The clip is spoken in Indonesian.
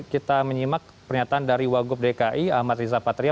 kita menyimak pernyataan dari wagub dki ahmad riza patria